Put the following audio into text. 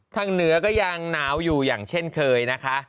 เหนือก็ยังหนาวอยู่อย่างเช่นเคยนะคะ